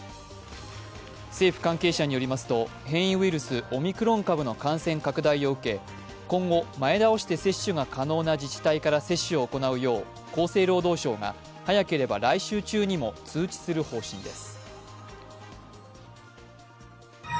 政府関係者によりますと、変異ウイルス、オミクロン株の感染拡大を受け、今後、前倒して接種が可能な自治体から接種を行うよう厚生労働省が早ければ来週中にも通知する方針です。